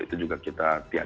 itu juga kita tiadakan